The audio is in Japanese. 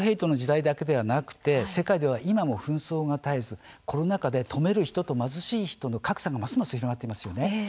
世界では今も紛争が絶えずコロナ禍で富める人と貧しい人の格差がますます広がっていますよね。